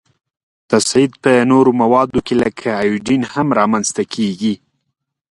تصعید په نورو موادو کې لکه ایودین هم را منځ ته کیږي.